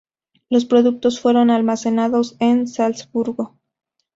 Los productos fueron almacenados en Salzburgo.